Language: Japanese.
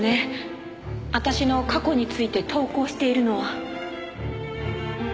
私の過去について投稿しているのは。